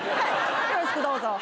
よろしくどうぞ。